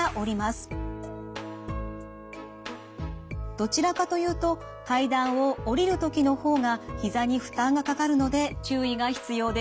どちらかというと階段を下りるときのほうがひざに負担がかかるので注意が必要です。